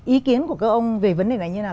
ý kiến của các ông về vấn đề này như thế nào